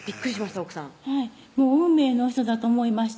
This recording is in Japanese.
奥さんはい運命の人だと思いました